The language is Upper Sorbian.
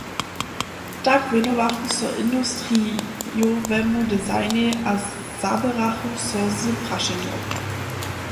Tak wěnowachu so industrijowemu designej a zaběrachu so z prašenjom.